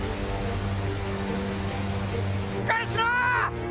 しっかりしろ！